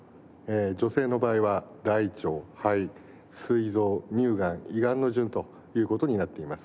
女性の場合は大腸肺膵臓乳がん胃がんの順という事になっています。